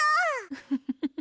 ウフフフフ。